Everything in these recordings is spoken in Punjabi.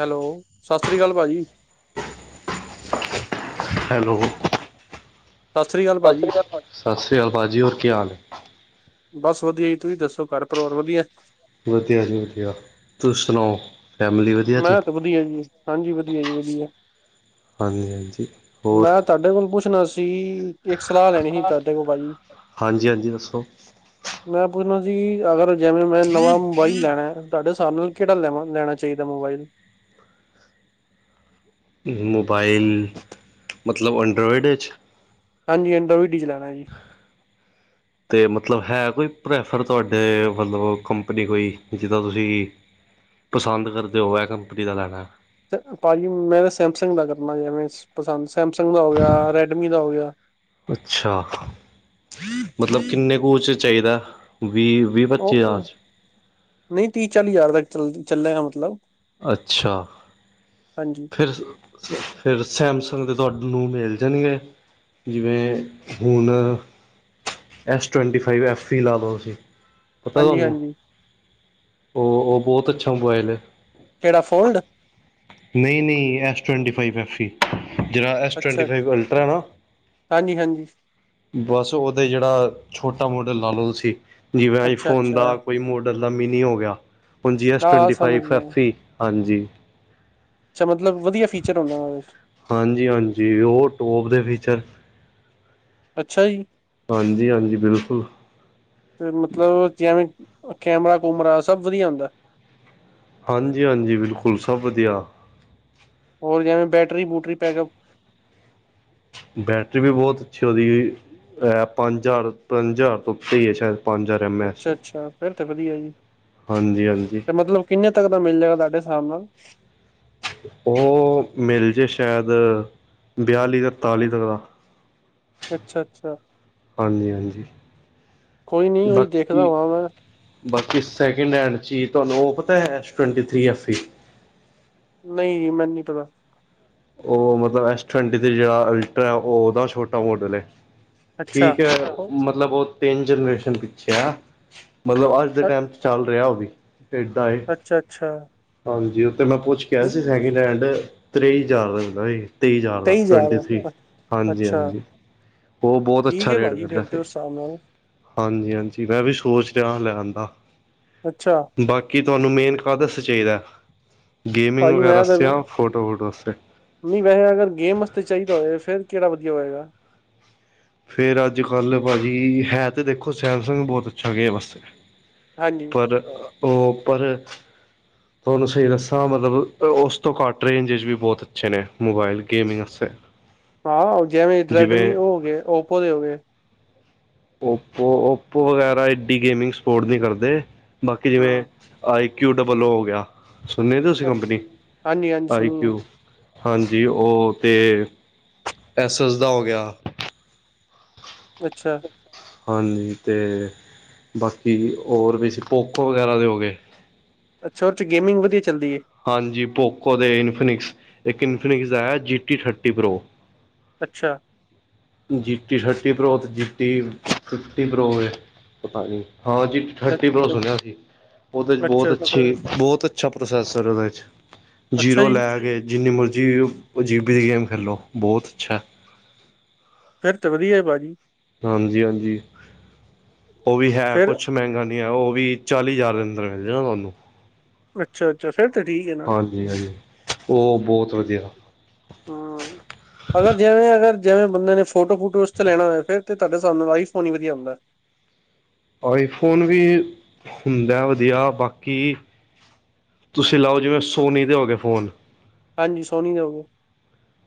ਹੈਲੋ। ਸਤਿ ਸ਼੍ਰੀ ਅਕਾਲ ਭਾਜੀ। ਹੈਲੋ ਸਤਿ ਸ੍ਰੀ ਅਕਾਲ ਸਤਿ ਭਾਜੀ ਸ਼੍ਰੀ ਅਕਾਲ। ਸਤਿ ਸ਼੍ਰੀ ਅਕਾਲ ਭਾਜੀ ਹੋਰ ਕੀ ਹਾਲ ਏ। ਬਸ ਵਧੀਆ, ਜੀ ਤੁਸੀਂ ਦੱਸੋ ਘਰ ਪਰਿਵਾਰ ਵਧੀਆ। ਵਧੀਆ ਜੀ ਵਧੀਆ, ਤੁਸੀਂ ਸੁਣਾਓ। ਫੈਮਿਲੀ ਵਧੀਆ ਜੀ ਮੈਂ ਤਾਂ ਵਧੀਆ ਜੀ, ਹਾਂਜੀ ਵਧੀਆ, ਜੀ ਵਧੀਆ। ਹਾਂਜੀ, ਹਾਂਜੀ ਹੋਰ ਮੈਂ ਤੁਹਾਡੇ ਕੋਲ ਪੁੱਛਣਾ ਸੀ? ਇੱਕ ਸਲਾਹ ਲੈਣੀ ਸੀ, ਤਾਡੇ ਕੋਲ ਭਾਜੀ। ਹਾਂਜੀ ਹਾਂਜੀ ਦੱਸੋ ਮੈਂ ਪੁੱਛਣਾ ਸੀ ਅਗਰ ਜਿਵੇਂ, ਮੈਂ ਨਵਾਂ ਮੋਬਾਈਲ ਲੈਣਾ। ਤੁਹਾਡੇ ਸਾਬ ਨਾਲ ਕਿਹੜਾ ਲੈ ਲੈਣਾ ਚਾਹੀਦਾ ਮੋਬਾਈਲ? ' ਮੋਬਾਇਲ। ਮਤਲਬ ਐਂਡਰਾਇਡ ਵਿੱਚ। ਹਾਂਜੀ। ਇਡਰੋਡੀਜ਼ ਲੈਣਾ ਜੀ। ਤੇ ਮਤਲਬ ਹੈ ਕੋਈ, ਪ੍ਰੈਫਰ ਤੁਹਾਡੇ ਵੱਲੋਂ ਮਤਲਬ ਕੰਪਨੀ ਕੋਈ ਜਿੱਦਾਂ ਤੁਸੀਂ ਪਸੰਦ ਕਰਦੇ ਓ, ਐ ਕੰਪਨੀ ਦਾ ਲੈਣਾ ਐ। ਭਾਜੀ। ਮੈਂ ਤਾਂ ਸੈਮਸੰਗ ਦਾ ਕਰਨਾ ਜਵੇਂ, ਪਸੰਦ ਸੈਮਸੰਗ ਦਾ ਹੋ ਗਿਆ ਰੈਡਮੀ ਦਾ ਹੋ ਗਿਆ। ਅੱਛਾ। ਮਤਲਬ ਕਿੰਨੇ ਕੁਚ ਚਾਹੀਦਾ। ਵੀਹ ਵੀਹ-ਪੱਚੀ ਹਜਾਰ ਉਹ ਵਿਚ। ਨਹੀਂ ਤੀਹ-ਚਾਲੀ ਹਜ਼ਾਰ ਤੱਕ ਚੱਲ ਚੱਲੇਗਾ। ਮਤਲਬ ਅੱਛਾ ਹਾਂਜੀ ਫਿਰ- ਫਿਰ ਸੈਮਸੰਗ ਦੇ ਤੁਹਾਾਨੂੰ ਮਿਲ ਜਾਣਗੇ। ਜਿਵੇਂ ਹੁਨ ਐਸ-ਟਵਟੀ-ਫਾਈਵ ਐਫ-ਵੀ ਲਾ ਲਓ ਤੁਸੀਂ। ਪਤਾ ਹਾਂਜੀ ਤੁਹਾਨੂੰ, ਹਾਂਜੀ ਉਹ-ਉਹ ਬਹੁਤ ਅੱਛਾ ਮੋਬਾਇਲ ਏ। ਕਿਹੜਾ ਫੋਲਡ? ਨਹੀਂ-ਨਹੀਂ ਐਸ ਟਵਾਟੀ-ਫਾਵੀ ਐਫ-ਸੀ। ਜਿਹੜਾ ਅੱਛਾ ਐਸ-ਟਵ-ਅਲਟਰਾ ਨਾ ਹਾਂਜੀ ਹਾਂਜੀ ਬਸ, ਉਹਦੇ ਜਿਹੜਾ ਛੋਟਾ- ਮੋਟਾ ਲਾਲੋ ਤੁਸੀਂ। ਜਿਵੇਂ ਆਈੋ ਫੋਨ ਦਾ ਅੱਛਾ-ਅੱਛਾ, ਕੋਈ ਮੋਡਲ ਦਾ ਮੀਨੀ ਹੋ ਗਿਆ। ਹੁਣ ਜੀ ਹਾਂ ਸਮਝ ਗਿਆ। ਐਸ-ਟੁਵਟੀ-ਫਾਈਵ-ਐਫ-ਈ। ਹਾਂਜੀ ਅੱਛਾ, ਮਤਲਬ ਵਧੀਆ ਫੀਚਰ ਹੁੰਦਾ, ਉਸ ਵਿੱਚ ਹਾਂਜੀ ਹਾਂਜੀ ਉਹ ਟੋਪ ਦੇ ਫੀਚਰ ਅੱਛਾ ਜੀ। ਹਾਂਜੀ, ਹਾਂਜੀ ਬਿਲਕੁਲ। ਤੇ ਮਤਲਬ ਜਿਵੇਂ ਕੈਮਰਾ ਕੂਮਰਾ ਸਭ ਵਧੀਆ ਹੁੰਦਾ। ਹਾਂਜੀ, ਹਾਂਜੀ ਬਿਲਕੁਲ ਸਭ ਵਧੀਆ। ਹੋਰ ਜਿਵੇਂ ਬੈਟਰੀ ਬੂਟਰੀ ਪੈਕਅਪ ਬੈਟਰੀ ਵੀ ਬਹੁਤ ਅੱਛੀ ਉਹਦੀ ਇਹ ਪੰਜ ਹਜ਼ਾਰ, ਪੰਜ ਹਜ਼ਾਰ ਤੋਂ ਉਤੇ ਈ ਹੈ ਸ਼ਾਇਦ ਪੰਜ ਹਜ਼ਾਰ। ਐਮ ਐਚ ਅੱਛਾ ਅੱਛਾ, ਫੇਰ ਤੇ ਵਧੀਆ ਜੀ। ਹਾਂਜੀ ਹਾਂਜੀ। ਤੇ ਮਤਲਬ ਕਿੰਨੇ ਤੱਕ ਦਾ ਮਿਲ ਜਾਏਗਾ ਤੁਹਾਡੇ ਹਿਸਾਬ ਨਾਲ ਉਹ ਮਿਲ ਜੇ ਸੈ਼ਦ ਬਿਆਲੀ ਤਰਤਾਲੀ ਤੱਕ ਦਾ ਅੱਛਾ ਅੱਛਾ। ਹਾਂਜੀ ਹਾਂਜੀ, ਕੋਈ ਨੀ ਉਹੀ ਦੇਖਦਾ ਬਾਕੀ ਵਾਂ ਮੈਂ, ਬਾਕੀ ਸੈਕਿੰਡ ਹੈਂਡ ਚੀਜ਼ ਤੁਹਾਨੂੰ ਉਹ ਪਤਾ ਐ S twenty three F E. ਨਈਂ ਮੈਨੂੰ ਨੀਂ ਪਤਾ ਉਹ ਮਤਲਬ ਐਸ ਟਵਟੀ ਜਿਹੜਾ ਅਲਟਰਾ ਉਹਦਾ ਛੋਟਾ ਮਾਡਲ ਐ। ਅੱਛਾ। ਠੀਕ ਐ, ਮਤਲਬ ਉਹ ਤਿੰਨ ਜਨਰੇਸ਼ਨ ਪਿੱਛੇ ਆ। ਮਤਲਬ ਅੱਜ ਦੇ ਟਾਈਮ ਚ ਚੱਲ ਰਿਹਾ ਉਹ ਵੀ, ਇਦਾਂ ਏ। ਅੱਛਾ-ਅੱਛਾ, ਹਾਂਜੀ, ਉਹ ਤੇ ਮੈਂ ਪੁੱਛ ਕਿਹਾ ਸੀ ਸੈਕਿੰਡ ਹੈਂਡ ਤਰੇਈ [unintelligible] ਸੀ। ਤੇਈ ਹਜ਼ਾਰ ਦਾ ਟਵੰਟੀ ਥ੍ਰੀ, ਹਾਂਜੀ ਅੱਛਾ, ਹਾਂਜੀ। ਉਹ ਬਹੁਤ ਠੀਕ ਅੱਛਾ ਹੈ ਰੇਟ ਭਾਜੀ ਕਰਦਾ ਫੇਰ ਤੇ ਸੀ ਉਸ ਹਿਸਾਬ ਨਾਲ, ਹਾਂਜੀ ਹਾਂਜੀ। ਮੈਂ ਵੀ ਸੋਚ ਰਿਹਾ ਲੈਣ ਦਾ ਅੱਛਾ। ਬਾਕੀ ਤੁਹਾਨੂੰ ਮੇਨ ਕਾਦੇ ਵਾਸਤੇ ਚਾਈਦਾ ਗੇਮਿੰਗ ਭਾਜੀ ਮੈਂ ਵਗੈਰਾਸਤੇ ਤਾਂ ਜਾਂ ਫੋਟੋ ਫੋਟੋਸਤੇ ਨਹੀਂ ਵੈਸੇ ਅਗਰ ਗੇਮ ਵਾਸਤੇ ਚਾਈਦਾ ਹੋਵੇ ਫਿਰ ਕਿਹੜਾ ਵਧੀਆ ਹੋਏਗਾ। ਫੇਰ ਅੱਜ ਕੱਲ੍ਹ ਪਾ ਜੀ ਹੈ ਤਾਂ ਦੇਖੋ, ਸੈਮਸੰਗ ਬਹੁਤ ਅੱਛਾ ਗੇਮ ਵਾਸਤੇ। ਹਾਂਜੀ। [unintelligible] ਉਹ ਪਰ ਤੁਹਾਨੂੰ ਸਹੀ ਦੱਸਾਂ ਮਤਲਬ ਉਸ ਤੋਂ ਘੱਟ ਰੇਂਜ ਚ ਵੀ ਬਹੁਤ ਅੱਛੇ ਨੇਂ, ਮੋਬਾਇਲ ਗੇਮਿੰਗ ਆਸਤੇ। ਹਾਂ, ਜਿਵੇਂ ਰੈਡਮੀ ਹੋ ਗਏ, ਓਪੋ ਦੇ ਹੋ ਗਏ। ਓਪੋ ਓਪੋ ਵਗੈਰਾ ਐ ਏਡੀ ਗੇਮਿੰਗ ਸਪੋਰਟ ਨਈਂ ਕਰਦੇ, ਬਾਕੀ ਜਿਵੇਂ ਹੂੰ ਆਈ ਕਿਊ ਡਬਲ ਓ ਹੋ ਗਿਆ ਸੁਣੇ ਤੁਂਸੀ ਅੱ- ਕੰਪਨੀ ਹਾਂਜੀ ਹਾਂਜੀ ਸੁਣੋ ਆਈਕਊ ਹਾਂਜੀ, ਉਹ ਅਤੇ ਐੱਸ ਐੱਸ ਦਾ ਹੋ ਗਿਆ। ਅੱਛਾ। ਹਾਂਜੀ ਤੇ ਬਾਕੀ ਹੋਰ ਵੀ ਸੀ ਪੋਕੋ ਵਗੈਰਾ ਦੇ ਹੋ ਗਏ। ਅੱਛਾ ਉਦੇ ਚ ਗੇਮਿੰਗ ਵਧੀਆ ਚੱਲਦੀ ਐ। ਹਾਂਜੀ ਪੋਕੋ ਦੇ ਇਨਫਿਨਿਕਸ, ਇੱਕ ਇਨਫੀਨਿਕਸ ਦਾ ਹੈ ਜੀ ਟੀ ਥਰਟੀ ਪ੍ਰੋ। ਅੱਛਾ। ਜੀਟੀ ਥਰਟੀ ਪ੍ਰੋ ਤੇ ਜੀਟੀ ਫਿਫਟੀ ਪ੍ਰੋ ਐ ਪਤਾ ਨੀਂ। ਹਾਂ ਜੀ ਅ- ਥਰਟੀ ਪਲੱਸ ਹੋ ਰਿਹਾ ਸੀ ਉਹਦੇ ' ਬਹੁਤ ਅੱਛਾ ਅੱਛਾ ਅੱਛੇ ਬਹੁਤ ਅੱਛਾ ਪ੍ਰੋਸੈਸ ਉਹਦੇ ' ਅੱਛਾ ਜੀਰੋ ਜੀ ਲੈ ਕੇ ਜਿੰਨੀ ਮਰਜ਼ੀ [unintelligible] ਦੀ ਗੇਮ ਖੇਲੋ ਬਹੁਤ ਅੱਛਾ ਫੇਰ ਚ ਵਧੀਆ ਹੈ ਭਾਜੀ ਹਾਂਜੀ ਹਾਂਜੀ ਉਹ ਵੀ ਹੈ ਫਿਰ ਕੁਛ ਮਹਿੰਗਾ ਉਹ ਵੀ ਚਾਲੀ ਹਜ਼ਾਰ ਦੇ ਅੰਦਰ ਮਿਲ ਜਾਣਾ ਤੁਹਾਨੂੰ ਅੱਛਾ ਅੱਛਾ, ਫਿਰ ਤੇ ਠੀਕ ਐ ਨਾਂ! ਹਾਂਜੀ ਹਾਂਜੀ ਉਹ ਬਹੁਤ ਵਧੀਆ ਹਾਂ। [unintelligible] ਅਗਰ ਜਿਵੇਂ ਅਗਰ ਜਿਵੇਂ ਬੰਦੇ ਨੇਂ ਫੋਟੋ ਫੂਟੋ ਵਾਸਤੇ ਲੈਣਾ ਹੋਇਆ, ਫਿਰ ਤੇ ਤਾਡੇ ਸਾਬ ਨਾਲ ਆਈਫੋਨ ਹੀ ਵਧੀਆ ਹੁੰਦਾ। ਆਈਫੋਨ ਵੀ ਹੁੰਦਾ ਵਧੀਆ ਬਾਕੀ ਤੁਸੀਂ ਲਾਓ, ਜਿਵੇਂ ਸੋਨੀ ਦੇ ਹੋ ਗਏ ਫੋਨ ਹਾਂਜੀ ਸੋਹਨੀ ਦੇ ਹੋਗੇ।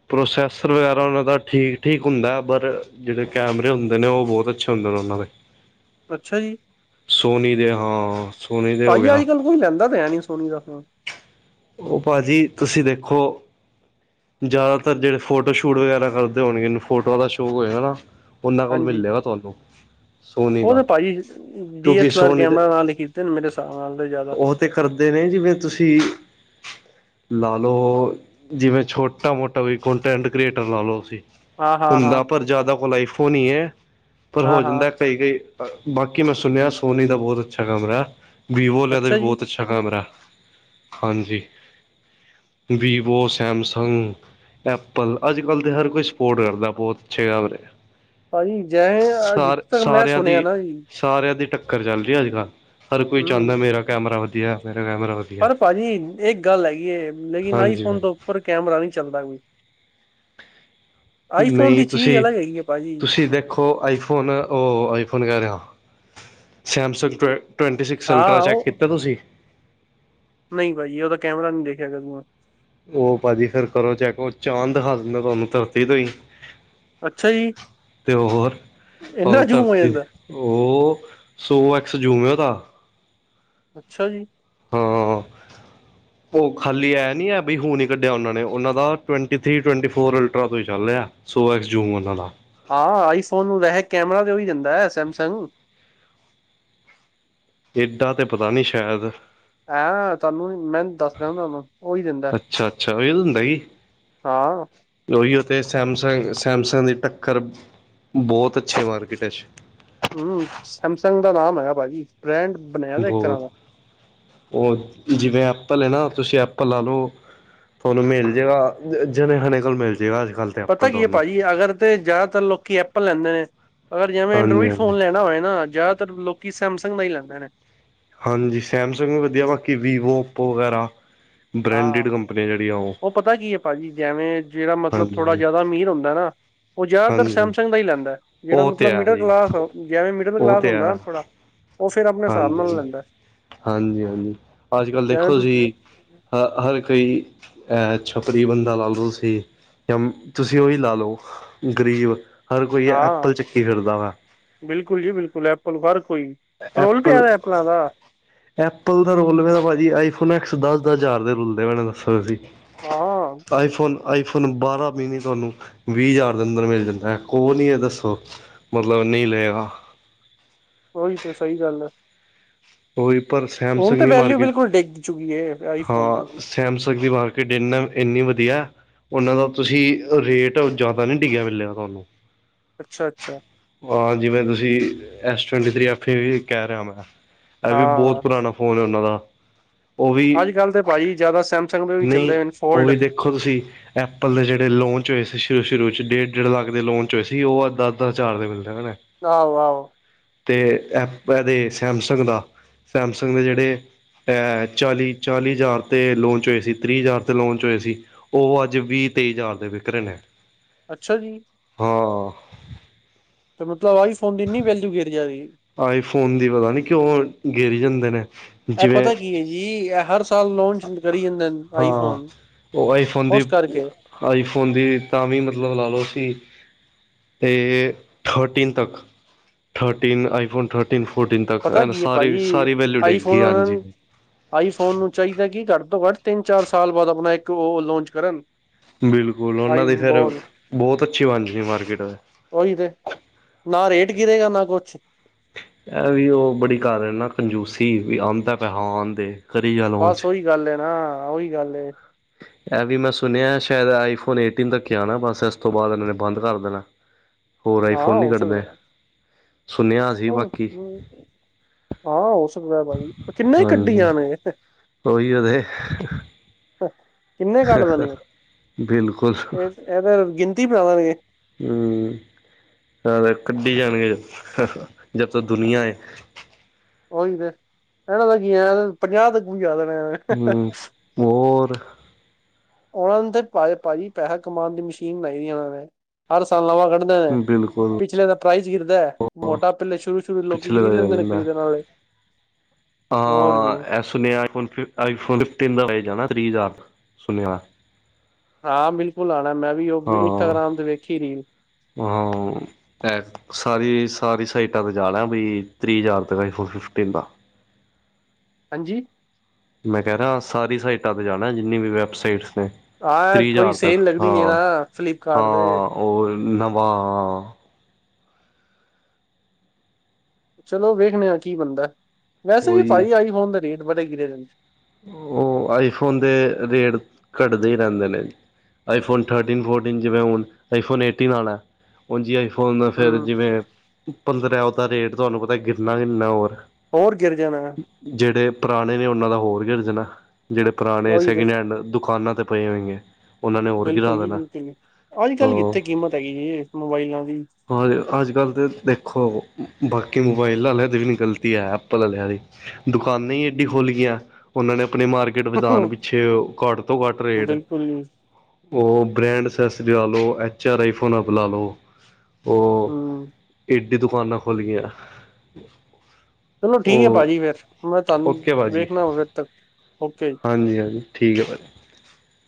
ਪ੍ਰੋਸੈਸਰ ਵਗੈਰਾ ਉਹਨਾਂ ਦਾ ਠੀਕ-ਠੀਕ ਹੁੰਦਾ, ਪਰ ਜਿਹੜੇ ਕੈਮਰੇ ਹੁੰਦੇ ਨੇਂ, ਉਹ ਬਹੁਤ ਅੱਛੇ ਹੁੰਦੇ ਨੇਂ ਉਹਨਾਂ ਦੇ। [unintelligible] ਅੱਛਾ ਜੀ। ਸੋਨੀ ਦੇ ਹਾਂ ਸੋਨੀ ਦੇ ਹੋ ਪਾਜੀ ਗਿਆ ਅੱਜ-ਕੱਲ ਕੋਈ ਲੈਂਦਾ ਤਾਂ ਹੈ ਨੀਂ ਸੋਨੀ ਦਾ ਫੋਨ। ਉਹ ਭਾਜੀ ਤੁਸੀਂ ਦੇਖੋ ਜਿਆਦਾਤਰ ਜਿਹੜੇ ਫੋਟੋ ਸ਼ੂਟ ਵਗੈਰਾ ਕਰਦੇ ਹੋਣਗੇ ਇਹਨ ਫੋਟੋਆਂ ਦਾ ਸ਼ੌਕ ਹੋਏਆਾ ਉਹਨਾਂ ਕੋਲ ਹਾਂਜੀ ਮਿਲਜੇ ਗਾ ਤੁਹਾਨੂੰ ਸੋਨੀ ਉਹ ਦਾ ਤੇ ਭਾਜੀ ਡੀ ਕਿਉਂਕਿ ਐਸ ਐਲ ਆਰ ਸੋਨੀ ਦੇ ਕੈਮਰਾ ਨਾਲ ਹੀ ਕੀਤੇ ਮੇਰੇ ਹਿਸਾਬ ਨਾਲ ਜ਼ਿਆਦਾ ਉਹ ਤੇ ਕਰਦੇ ਨੇ ਜਿਵੇਂ ਤੁਸੀਂ ਲਾ ਲਓ ਜਿਵੇਂ ਛੋਟਾ ਮੋਟਾ ਵੀ ਕੰਨਟੈਂਟ ਕ੍ਰੀਏਟਰ ਲਾ ਲਓ ਤੁਸੀ ਹਾਂ ਹਾਂ ਹਾਂ ਹੁੰਦਾ ਪਰ ਜ਼ਿਆਦਾ [unintelligible] ਹੋਣੀ ਹੈ ਪਰ ਹੋ ਹਾਂ ਹਾਂ ਜਾਂਦਾ ਸਹੀ ਕਈ ਬਾਕੀ ਮੈਂ ਸੁਣਿਆ ਸੋਨੀ ਦਾ ਬਹੁਤ ਅੱਛਾ ਕਮਰਾ ਵੀਵੋ ਲੈਦਾ ਵੀ ਬਹੁਤ ਅੱਛਾ ਅ ਕੈਮਰਾ ਹਾਂਜੀ ਵੀਵੋ ਸੈਮਸੰਗ ਹ ਐਪਲ ਅੱਜ ਕੱਲ ਤੇ ਹਰ ਕੋਈ ਸਪੋਰਟ ਕਰਦਾ ਬਹੁਤ ਅੱਛੇ [unintelligible] ਭਾਜੀ ਜੈ ਸਾਰ ਜਿੱਥੇ ਤੱਕ ਮੈਂ ਸਾਰਿਆਂ ਦੀ ਸੁਣਿਆ ਨਾ ਜੀ ਸਾਰਿਆਂ ਦੀ ਟੱਕਰ ਚੱਲ ਰਹੀ ਹੈ ਅੱਜ ਕੱਲ੍ਹ ਹਰ ਕੋਈ ਚਾਹੁੰਦਾ ਮੇਰਾ ਹੂੰ ਕੈਮਰਾ ਵਧੀਆ ਮੇਰਾ ਕੈਮਰਾ ਵਧੀਆ ਪਰ ਭਾਜੀ ਇਹ ਗੱਲ ਹੈਗੀ ਲੇਕਿਨ ਆਈ ਹਾਂਜੀ ਫੋਨ ਹਾਂ, ਤੋਂ ਪਰ ਕੈਮਰਾ ਨਹੀਂ ਚੱਲਦਾ [unintelligible] ਆਈਫੋਨ ਨਹੀਂ ਦੀ ਚੀਜ਼ ਤੁਸੀਂ ਅਲਗ ਹੈਗੀ ਹੈ ਭਾਜੀ ਤੁਸੀਂ ਦੇਖੋ ਈਫੋਨ ਉਹ ਈਫੋਨ ਕਹਿ ਰਿਆ ਸੇਮਸੰਗ ਟਵੈਂਟੀ ਸਿਕਸ ਅਲਟਰਾ ਹਾਂ ਚੈੱਕ ਉਹ ਕੀਤਾ ਤੁਸੀਂ ਨਹੀਂ ਭਾਜੀੀ ਉਹਦਾ ਕੈਮਰਾ ਨੀ ਦੇਖਿਆ ਤੁਸੀ ਉਹ ਭਾਜੀ ਫਰ ਕਰੋ ਚੈੱਕ ਚਾਂਦ ਦਿਖਾ ਦਿੰਦਾ ਤੁਹਾਨੂੰ ਧਰਤੀ ਤੇ ਹੀ ਅੱਛਾ ਜੀ ਤੇ ਹੋਰ ਭ ਇੰਨਾ ਜ਼ੂਮ ਹੋ ਧਰਤੀ ਜਾਂਦਾ ਉਹ ਸੋ ਐਕਸ [unintelligible] ਦਾ ਅੱਛਾ ਜੀ [unintelligible] ਹਾਂ ਉਹ ਖਾਲੀ ਇਹ ਨੀ ਹੈ ਬਈ ਹੁਨ ਈ ਕੱਢਿਆ ਉਹਨਾਂ ਨੇ ਉਹ ਦਾ ਟਵੈਂਟੀ ਥਰੀ ਟਵਟੀ ਫੋਰ ਅਲਟਰਾ ਤੋਂ ਹੀ ਚੱਲ ਰਿਆ ਸੋ [unintelligible] ਉਹਨਾਂ ਦਾ ਹਾਂ ਆਈਫੋਨ ਨੂੰ ਵੈਸੇ ਕੈਮਰਾ ਤੇ ਓਂਹੀ ਦਿੰਦਾ ਐ ਸੈਮਸੰਗ ਏਡਾ ਤੇ ਪਤਾ ਨਹੀਂ ਸ਼ਾਇਦ ਐਂ ਤੁਹਾਨੂੰ ਮੈਂ ਦੱਸ ਰਿਹਾ ਤੁਹਾਨੂੰ ਓਹੀ ਦਿੰਦਾ ਅੱਛਾ ਅੱਛਾ [unintelligible] ਹੁੰਦਾ ਜੀ ਹਾਂ ਉਹੀ ਉਥ ਸੈਮਸੰਗ ਸੈਮਸੰਗ ਦੀ ਟੱਕਰ ਬਹੁਤ ਅੱਛੀ ਮਾਰਕੀਟ ਹੂੰ ਸੈਮਸੰਗ ਦਾ ਨਾਮ ਹੈਗਾ ਭਾਜੀ ਬ੍ਰੈਂਡ ਬਣਿਆ ਦਾ ਇੱਕ ਤਰ੍ਹਾਂ ਬਹੁਤ ਦਾ ਉਹ ਜਿਵੇਂ ਐਪਲ ਹੈ ਨਾ ਤੁਸੀਂ ਐਪਲ ਲੈ ਲਓ ਤੁਹਾਨੂੰ ਮਿਲ ਜਵੇਗਾ ਜਣੇ ਹਣੇ ਕੋਲ ਮਿਲ ਜਏ ਗਾ ਅੱਜ ਕੱਲ੍ਹ ਤਾਂ ਪਤਾ ਐਪਲ ਕੀ ਹੈ ਤੁਹਾਨੂੰ ਭਾਜੀ ਅਗਰ ਤੇ ਜ਼ਿਆਦਾਤਰ ਲੋਕੀ ਐਪਲ ਲੈਂਦੇ ਨੇ ਅਗਰ ਜਿਵੇਂ ਹਾਂਜੀ ਐਂਡਰੋਇਡ ਹਾਂਜੀ ਫੋਨ ਲੈਣਾ ਹੋਵੇ ਨਾ ਜ਼ਿਆਦਾਤਰ ਲੋਕੀ ਸੈਮਸੰਗ ਦਾ ਹੀ ਲੈਂਦੇ ਨੇ ਹਾਂਜੀ ਸੈਮਸੰਗ ਵੀ ਵਧੀਆ ਬਾਕੀ ਵੀਵੋ ਉਪੋ ਵਗੇਰਾ ਹਾਂ ਬਰਾਂਡਿਡ ਕੰਪਨੀ ਦੇ ਉਹ ਪਤਾ ਕੀ ਹੈ ਭਾਜੀ ਜਿਵੇਂ ਜਿਹੜਾ ਮਤਲਬ ਥੋੜਾ ਹਾਂਜੀ ਜਿਆਦਾ ਅਮੀਰ ਹੁੰਦਾ ਨਾ ਉਹ ਜ਼ਿਆਦਾਤਰ ਹਾਂਜੀ ਸੈਮਸੰਗ ਦਾ ਹੀ ਲੈਂਦਾ ਏ ਜਿਹੜਾ ਉਹ ਤੇ ਮਤਲਬ ਹੈ ਮਿਡਲ ਜੀ ਕਲਾਸ ਜਵੇਂ ਮਿਡਲ ਉਹ ਕਲਾਸ ਤੇ ਹੁੰਦਾ ਹੈ ਨਾ ਥੋੜਾ ਉਹ ਫੇਿਰ ਆਪਣੇ ਹਿਸਾਬ ਨਾਲ ਹਾਂਜੀ ਲੈਂਦਾ ਹਾਂਜੀ ਹਾਂਜੀ ਅੱਜ ਕੱਲ੍ਹ ਦੇਖੋ [unintelligible] ਤੁਸੀਂ ਹ ਹਰ ਕੋਈ ਅਹ [unintelligible] ਬੰਦਾ ਲਾ ਲਓ ਤੁਸੀ ਜਾਂ ਤੁਸੀਂ ਉਹੀ ਲਾ ਲਓ ਗਰੀਬ ਹਰ ਕੋਈ ਹਾਂ ਐਪਲ ਚੱਕੀ ਫੇਿਰਦਾ ਵਾ ਬਿਲਕੁਲ ਜੀ ਬਿਲਕੁਲ ਐਪਲ ਹਰ ਕੋਈ ਰੋਲ ਐਪਲ ਪਿਆਦਾ ਐਪਲਾਂ ਦਾ ਐਪਲ ਦਾ ਰੁਲ ਮ ਤਾਂ ਭਾਜੀੀ ਆਈਫੋਨ ਐਕਸ ਦਸ ਦਸ ਹਜ਼ਾਰ ਦੇ ਰੁਲਦੇ ਮੈਨ ਦੱਸੋ ਤੁਸੀਂ ਹਾਂ [unintelligible] ਆਈ ਫੋਨ ਆਈਫੋਨ ਬਾਰਾਂ ਮੀਨੀ ਤੁਹਾਨੂੰ ਵੀਹ ਹਜ਼ਾਰ ਦੇ ਅੰਦਰ ਮਿਲ ਜਾਂਦਾ ਹੈ ਉਹ ਨਹੀ ਹੈ ਦੱਸੋ ਮਤਲਬ ਨਹੀਂ ਲਏਗਾ ਉਹੀ ਤਾਂ ਸਹੀ ਗੱਲ ਆ ਉਹੀ ਪਰ ਹੁਣ ਸੈਮਸੰਗ ਤਾਂ ਦੀ ਵੈਲਿਊ ਮਾਰਕੀਟ ਬਿਲਕੁਲ ਡਿੱਗ ਚੁੱਕੀ ਆਈਫੋਨ ਦੀ ਹਾਂ ਸੈਮਸੰਗ ਦੀ ਮਾਰਕੀਟ ਇੰਨਾ ਇੰਨੀ ਵਧੀਆ ਉਹਨਾਂ ਦਾ ਤੁਸੀਂ ਰੇਟ ਜ਼ਿਆਦਾ ਨਹੀ ਡਿੱਗਿਆ ਮਿਲਿਆ ਤੁਹਾਨੂੰ ਅੱਛਾ ਅੱਛਾ ਹਾਂ ਜਿਵੇਂ ਤੁਸੀਂ ਐਸ ਟਵਥਫ ਵੀ ਕਹਿ ਰਿਹਾ ਮੈਂ ਇਹ ਵੀ ਬਹੁਤ ਹਾਂ ਪੁਰਾਣਾ ਫੋਨ ਹੈ ਉਹਨਾਂ ਦਾ ਉਹ ਵੀ ਅੱਜ ਕੱਲ੍ਹ ਤਾਂ ਭਾ ਜੀ ਜ਼ਿਆਦਾ ਸੈਮਸੰਗ ਦੇ ਵੀ ਨਹੀਂ ਚੱਲਦੇ ਉਹ ਇਨਫੋਲਡ ਵੀ ਦੇਖੋ ਤੁਸੀਂ ਐਪਲ ਦੇ ਜਿਹੜੇ ਲੋਂਚ ਹੋਏ ਸੀ ਸ਼ੁਰੂ ਸ਼ੁਰੂ ਚ ਡੇਢ ਡੇਢ ਲੱਖ ਦੇ ਲੋਂਚ ਹੋਏ ਸੀ ਉਹ ਅੱਧਾ ਅੱਧਾ ਚਾਰ ਦਾ ਮਿਲਦਾ ਹਨਾ ਆਹੋ ਆਹੋ ਅਤੇ ਐ ਇਹਦੇ ਸੈਮਸੰਗ ਦਾ ਸੈਮਸੰਗ ਦੇ ਜਹੜੇ ਚਾਲੀ ਚਾਲੀ ਹਜ਼ਾਰ 'ਤੇ ਲੌਚ ਹੋਏ ਸੀ ਤਰੀਹ ਹਜ਼ਾਰ 'ਤੇ ਲੌਚ ਹੋਏ ਸੀ ਉਹ ਅੱਜ ਵੀਹ ਤੇਈ ਹਜ਼ਾਰ ਦੇ ਵਿਕਰੇਨ ਨੇ ਅੱਛਾ ਜੀ ਹਾਂ ਤੇ ਮਤਲਬ ਆਈਫੋਨ ਦੀ ਇਨੀ ਬੈਲੂ ਗਰ ਜਾ ਰਹੀ ਆਈਫੋਨ ਦੀ ਪਤਾ ਨੀ ਕਿਉ ਉਹ ਗਿਰ ਜਾਂਦੇ ਨੇ ਜਿਵੇਂ ਪਤਾ ਕੀ ਹੈ ਜੀ ਇਹ ਹਰ ਸਾਲ ਲੋਂਚ ਕਰੀ ਜਾਂਦੇ ਹਾਂ ਆਈਫੋਨ ਉਹ ਆਈਫੋਨ ਦੀ ਉਸ ਕਰਕੇ ਆਈਫੋਨ ਦੀ ਤਾਂ ਵੀ ਮਤਲਬ ਲਾ ਲਓ ਸੀ ਅਤੇ ਥਰਟੀਨ ਤੱਕ ਥਰਟੀਨ ਆਈਫੋਨ ਥਰਟੀ ਨ ਪਤਾ ਤ ਕੀ ਹੈ ਸਾਰੀ ਭਾਜੀ ਸਾਰੀ ਵੈਲਊ ਡਿੱਗ ਗਈ ਆਈਫੋਨ ਉਹਨਾਂ ਹਾਂਜੀ ਨੂੰ ਆਈਫੋਨ ਨੂੰ ਚਾਹੀਦਾ ਕਿ ਘੱਟ ਤੋਂ ਘੱਟ ਤਿੰਨ ਚਾਰ ਸਾਲ ਬਾਅਦ ਆਪਣਾ ਇੱਕ ਉਹ ਲੋਂਚ ਕਰਨ ਬਿਲਕੁਲ ਆਈ ਉਹਨਾਂ ਦੀ ਫੇਿਰ ਬੋਲ ਬਹੁਤ ਅੱਛੀ ਵੰ ਸੀ ਮਾਰਕੀਟ ਦੇ ਉਹੀ ਤੇ ਨਾ ਰੇਟ ਗੀਰੇਗਾ ਨਾ ਕੁ ਵਚੇ ਇਹ ਵੀ ਉਹ ਬੜੀ ਕਰ ਰਹੇ ਨਾ ਕੰਜੂਸੀ ਵੀ ਆਉਂਦਾ ਪੈਸ ਦੇ ਬਸ ਉਓਹੀ ਗੱਲ ਏ ਨਾ ਉਓਹੀ ਗੱਲ ਇਹ ਵੀ ਮੈਂ ਸੁਣਿਆ ਸ਼ਾਇਦ ਆਈਫੋਨ ਏਟੀਨ ਤੱਕ ਆਉਣਾ ਬਸ ਇਸ ਤੋਂ ਬਾਅਦ ਇਹਨਾਂ ਨੇ ਬੰਦ ਕਰ ਦੇਣਾ ਹੋਰ ਹਾਂ ਆਈਫੋਨ ਨਹੀਂ ਹੋ ਕੱਢਦਾ ਸਕਦਾ ਹੋਰ ਹਾਂ ਹੋ ਸਕਦਾ ਭਾਜੀ ਕਿੰਨਾ ਹੀ ਹਾਂਜੀ ਗੱਡੀਆਂਣ ਇਥੇ ਉਹੀ ਉਹਦੇ ਕਿੰਨੇ ਕੱਟ ਦੇ ਨੇਗੇ ਬਿਲਕੁਲ ਇਹ ਇਹਦੇ ਗਿਣਤੀ ਬਣਾ ਦੇ ਨੇਗੇ ਹਮ ਹਾਂ ਕੱਢੀ ਜਾਣਗੇ ਜਦ ਤ ਦੁਨੀਆਂ ਹੈ ਉਓਹੀ ਤੇ ਇਹਨਾਂ ਦਾ ਕੀ ਆ ਪੰਜਾਹ ਤੱਕ ਵੀ ਜਾ ਦੇਣਾ ਐ ਹੂੰ ਹੋਰ ਉਹਨਾਂ ਨੇ ਤੇ ਭਾਜੀ ਪੈਸਾ ਕਮਾਉਣ ਦੀ ਮਸ਼ੀਨ ਲਾਈ ਦੀ ਉਹਨਾਂ ਨੇ ਹਰ ਸਾਲ ਲਵਾਂ ਕੱਢ ਬਿਲਕੁਲ ਪਿਛਲੇ ਦਾ ਪ੍ਰਾਈਜ਼ ਗਿਰਦਾ ਮੋਟਾ ਪਹਿਲੇ ਸ਼ੁਰੂ ਸ਼ੁਰੂ ਲੋਕ ਪਿਛਲੇ ਦਾ ਗਿਰੀ ਲੈਂਦੇ ਨੇ ਰਹਿੰਦਾ ਖਰੀਦਣ ਨਾਲੇ [inaudible] ਹਾਂ ਸੁਣਿਆ ਫ [unintelligible] ਨ ਦਾ ਜਾਣਾ ਤਹ ਹਜ਼ਾਰ ਸੁਨਿਆ ਦਾ [unintelligible] ਹਾਂ ਬਿਲਕੁਲ ਆਊਣਾ ਮੈਂ ਵੀ ਉਹ ਇੰਸਟਾਗ੍ਰਾਮ ਤੇ ਵੇਖੀ ਰੀਲ ਹ [unintelligible] ਸਾਰੀ ਸਾਰੀ ਸਾਈਟਾਂ ਤੇ ਜਾ ਲਿਆ ਬਈ ਤੀਹ ਹਜ਼ਾਰ ਤ ਫ ਫਿਫਟੀਨ ਦਾ ਹਾਂਜੀ ਮੈਂ ਕਹਿ ਰਿਹਾ ਸਾਰੀ ਸਾਈਟਾਂ ਤੇ ਜਾਣਾ ਜਿੰਨੀ ਵੀ ਵੈਬਸਾਈਟਸ ਨੇ ਹਾਂ ਤੀਹ ਕੋਈ ਹਜ਼ਾਰ ਤੱਕ ਸੇਲ ਲੱਗਣੀ ਹੈ ਹਾਂ ਨਾ ਹਾਂ ਫਲਿੱਪਕਾਰਟ ਤੇ ਉਹ ਨਵਾਂ ਹਾਂ ਚਲੋ ਵੇਖਣੇ ਆ ਕੀ ਬੰਦਾ ਵੈਸੇ ਵੀ ਉਹੀ ਭਾਈ ਆਈ ਫੋਨ ਦਾ ਰੇਟ ਬੜੇ ਗਿਰੇ ਰਦੇ ਉਹ ਆਈਫੋਨ ਦੇ ਰੇਟ ਘੱਟਦੇ ਹੀ ਰਹਿੰਦੇ ਨੇ ਆਈ ਫੋਨ ਥਰਟੀਨ ਫੋਰਟੀਨ ਜਿਵੇਂ ਹੁਣ ਆਈੋਨ ਏਟੀਨ ਆਾ ਹੈ ਉ ਜੀ ਆਈਫੋਨ ਫਿਰ ਹੂੰ ਜਿਵੇਂ ਪੰਦਰਾਂ ਉਹਦਾ ਰੇਟ ਤੁਹਾਨੂੰ ਪਤਾ ਗਿਰਨਾ ਕਿੰਨਾ ਹੋਰ ਹੋਰ ਗਿਰ ਜਾਣਾ ਜਿਹੜੇ ਪੁਰਾਣੇ ਨੇ ਉਹਨਾਂ ਦਾ ਹੋਰ ਗਿਰ ਜਾਣਾ ਜਿਹੜੇ ਪੁਰਾਣੇ ਉਹੀ ਤੇ ਸੈਕਿੰਡ ਹੈਂਡ ਦੁਕਾਨਾਂ ਤੇ ਪਈਵਗੇ [unintelligible] ਬਿਲਕੁਲ ਜੀ ਬਿਲਕੁਲ ਜੀ ਅੱਜ ਕੱਲ੍ਹ ਕਿੱਥੇ ਕੀਮਤ ਹੈਗੀ ਜੀ ਇਹ ਮੋਬਾਈਲਾਂ ਦੀ ਹ ਅੱਜ ਕੱਲ ਤਾਂ ਦੇਖੋ ਬਾਕੀ ਮੋਬਾਇਾਈਲ ਵਾਲਿਆਂ ਦੀ ਵੀ ਨਹੀਂ ਗਲਤੀ ਹੈ ਐਪਲ ਵਾਲਿਆਂ ਦੀ [unintelligible] ਦੁਕਾਨਾਂ ਹੀ ਐਡੀ ਖੁਲ ਗਈਆਂ ਉਹਨਾਂ ਨੇ ਆਪਣੇ ਮਾਰ ਟ ਵਉਣ ਪਿੱਛੇ ਘੱਟ ਤੋਂ ਘੱਟ ਰੇਟ ਬਿਲਕੁਲ ਜੀ [unintelligible] ਉਹ ਬ੍ਰੈਂਡ ਸੈੱਸ ਜੋ ਲਓ H R iPhone Apple ਲ ਲੋ [unintelligible] ਹਮ ਏਡੀ ਦੁਕਾਨਾਂ ਖੁਲ ਗਈਆਂ ਚਲੋ ਠੀਕ ਹੈ ਉਹ ਭਾਜੀ ਫੇਿਰ ਮੈਂ ਤੁਹਾਨੂੰ ਓਕੇ ਭਾਅ ਜੀ ਵੇਖਣਾ ਫਿਰ ਤੱਕ ਓਕੇ [unintelligible] ਹਾਂਜੀ ਹਾਂਜੀ ਠੀਕ ਹੈ ਭਾਜੀ